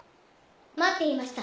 ・待っていました。